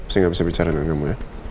saya nggak bisa bicara dengan kamu ya